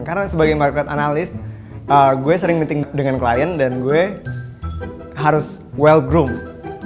karena sebagai market analyst gue sering meeting dengan klien dan gue harus well grouped